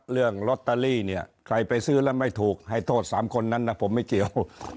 เรื่องลอตเตอรี่เนี่ยใครไปซื้อแล้วไม่ถูกให้โทษ๓คนนั้นนะผมไม่เกี่ยว